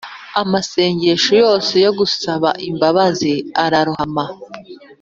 amasengesho yose yo gusaba imbabazi ararohama;